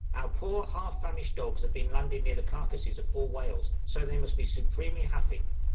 Our poor, half famished dogs have been landed near the carcases of four whales, so they must be supremely happy.